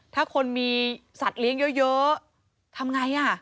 ถ้าคนมีสัตว์เลี้ยงเยอะทำไง